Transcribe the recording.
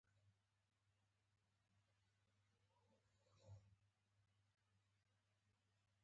آیا څوک له قانون پورته شته؟